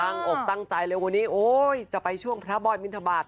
อกตั้งใจเลยวันนี้โอ๊ยจะไปช่วงพระบอยบินทบาท